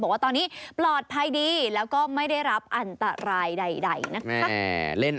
บอกว่าตอนนี้ปลอดภัยดีแล้วก็ไม่ได้รับอันตรายใดนะคะ